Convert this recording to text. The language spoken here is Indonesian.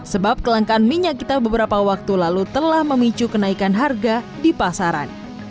sebab kelangkaan minyak kita beberapa waktu lalu telah memicu kenaikan harga di pasaran